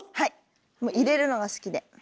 いれるのが好きで。